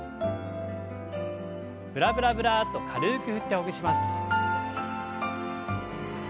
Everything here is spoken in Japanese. ブラブラブラッと軽く振ってほぐします。